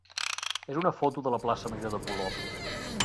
és una foto de la plaça major de Polop.